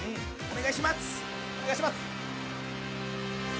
お願いします。